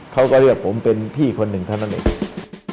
เขาก็เลือกผมเป็นพี่คนหนึ่งเท่านั้นเอง